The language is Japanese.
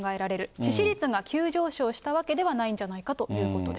致死率が急上昇したわけではないんじゃないかということです。